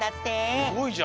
すごいじゃん。